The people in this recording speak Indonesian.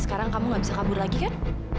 sekarang kamu gak bisa kabur lagi kan